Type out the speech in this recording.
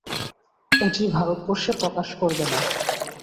ওটি ভারতবর্ষে প্রকাশ করবে না।